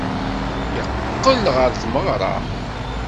Yeqqel ɣer tmeɣra.